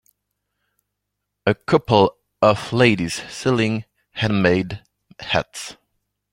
A couple of ladies selling handmade hats